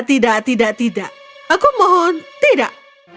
tidak tidak tidak aku mohon tidak